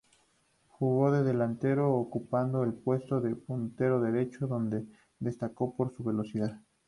Jugó de delantero, ocupando el puesto de puntero derecho, donde destacó por su velocidad.